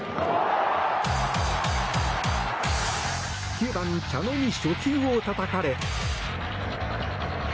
９番、茶野に初球をたたかれ。